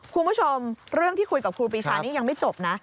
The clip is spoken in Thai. คุณผู้ชมเรื่องที่คุยกับครูปีชานี่ยังไม่จบนะ